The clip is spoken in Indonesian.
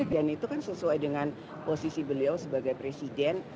dan itu kan sesuai dengan posisi beliau sebagai presiden